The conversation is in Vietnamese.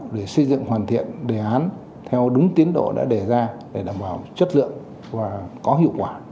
để xây dựng hoàn thiện đề án theo đúng tiến độ đã đề ra để đảm bảo chất lượng và có hiệu quả